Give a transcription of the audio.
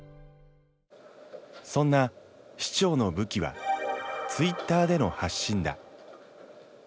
そんな市長の武器はツイッターでの発信だ。